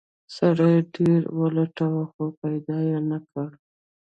سړي ډیر ولټاوه خو پیدا یې نه کړ.